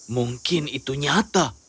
mungkin itu nyata